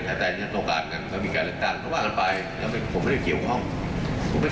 ถ้าผมถูกกล้องอะไรผมก็จะตอบท่านไม่เกี่ยวของผม